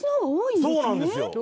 そうなんですよ。